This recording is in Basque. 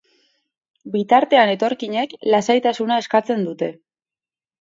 Bitartean etorkinek, lasaitasuna eskatzen dute.